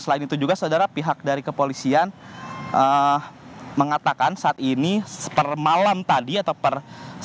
selain itu juga saudara pihak dari kepolisian mengatakan saat ini per malam tadi atau per satu